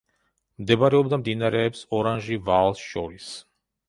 მდებარეობდა მდინარეებს ორანჟი ვაალს შორის.